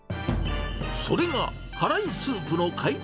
それが辛いスープの開拓